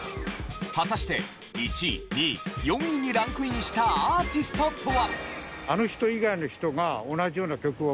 果たして１位２位４位にランクインしたアーティストとは？